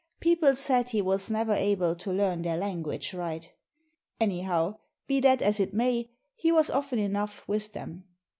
People said he was never able to learn their language right. Anyhow, be that as it may, he was often enough with them.